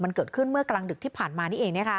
มันเกิดขึ้นเมื่อกลางดึกที่ผ่านมานี่เอง